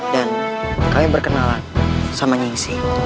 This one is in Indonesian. dan kami berkenalan sama nyingxing